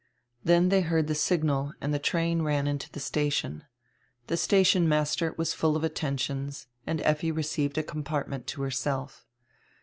Then diey heard die signal and die train ran into the station. The station master was full of attentions and Effi received a compartment to herself.